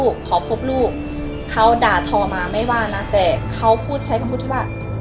ขอพบลูกเขาด่าทอมาไม่ว่านะแต่เขาพูดใช้คำพูดที่ว่า